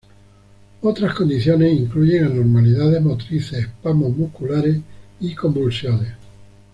Otras condiciones incluyen anormalidades motrices, espasmos musculares y convulsiones.